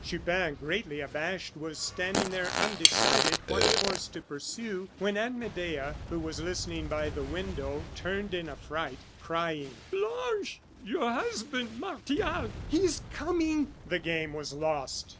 Chupin, greatly abashed, was standing there undecided what course to pursue when Aunt Medea, who was listening by the window, turned in affright, crying: "Blanche! your husband Martial! He is coming!" The game was lost.